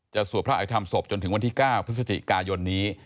สวดพระอภิษฐรรมศพจนถึงวันที่๙พฤศจิกายนนี้